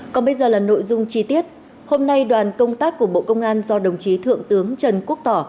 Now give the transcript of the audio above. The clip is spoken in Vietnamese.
còn bây giờ là nội dung chi tiết hôm nay đoàn công tác của bộ công an do đồng chí thượng tướng trần quốc tỏ